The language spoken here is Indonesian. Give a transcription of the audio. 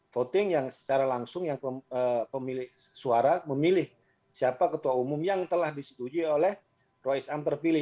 voting yang secara langsung yang pemilik suara memilih siapa ketua umum yang telah disetujui oleh roy sam terpilih